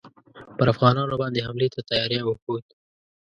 پر افغانانو باندي حملې ته تیاری وښود.